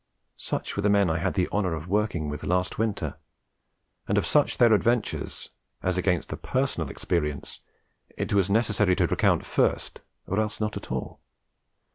Such were the men I had the honour of working with last winter, and of such their adventures as against the personal experiences it was necessary to recount first or else not at all.